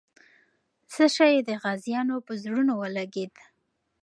څه شی د غازیانو په زړونو ولګېد؟